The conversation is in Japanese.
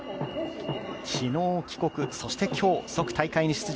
昨日帰国、そして今日、即大会に出場